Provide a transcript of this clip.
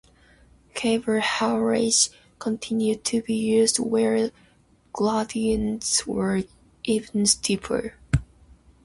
Cable haulage continued to be used where gradients were even steeper.